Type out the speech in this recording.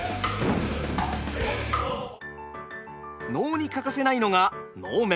能に欠かせないのが能面。